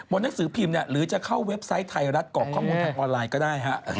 หนังสือพิมพ์หรือจะเข้าเว็บไซต์ไทยรัฐกรอกข้อมูลทางออนไลน์ก็ได้ฮะ